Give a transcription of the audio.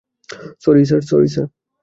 Sorry, sir.